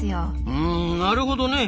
うんなるほどね。